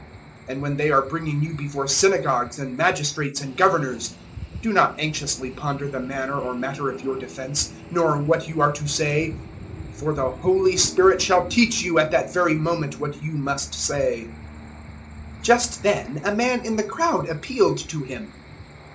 012:011 And when they are bringing you before synagogues and magistrates and governors, do not anxiously ponder the manner or matter of your defence, nor what you are to say; 012:012 for the Holy Spirit shall teach you at that very moment what you must say." 012:013 Just then a man in the crowd appealed to Him.